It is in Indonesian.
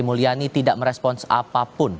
mulyani tidak merespons apapun